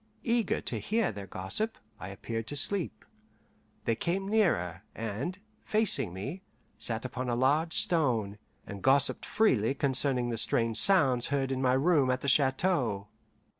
Eager to hear their gossip, I appeared to sleep. They came nearer, and, facing me, sat upon a large stone, and gossiped freely concerning the strange sounds heard in my room at the chateau.